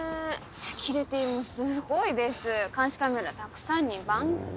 セキュリティーもすごいです監視カメラたくさんに番犬。